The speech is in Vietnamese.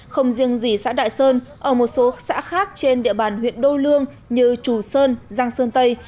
không riêng gì xã đại sơn ở một số xã khác trên địa bàn huyện đô lương như trù sơn giang sơn tây